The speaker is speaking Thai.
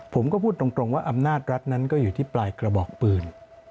ผมก็พูดตรงว่าอำนาจรัฐนั้นก็อยู่ที่ปลายกระบอกปืน